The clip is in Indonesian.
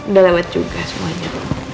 udah lewat juga semuanya